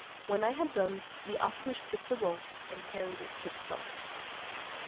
When I had done, the officers took the roll, and carried it to the sultan.